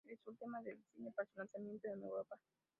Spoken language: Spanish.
Esta última se diseñó para su lanzamiento en Europa.